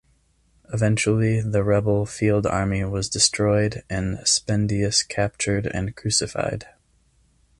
Eventually the rebel field army was destroyed and Spendius captured and crucified.